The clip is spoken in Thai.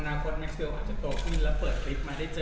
อนาคตแม็กซ์เกิลอาจจะโตขึ้นและเปิดคลิปมาได้เจอ